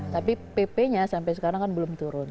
tapi pp nya sampai sekarang kan belum turun